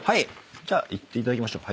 じゃあ行っていただきましょう。